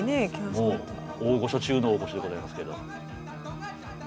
もう大御所中の大御所でございますけど。